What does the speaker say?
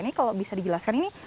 ini kalau bisa dijelaskan ini